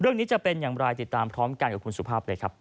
จะเป็นอย่างไรติดตามพร้อมกันกับคุณสุภาพเลยครับ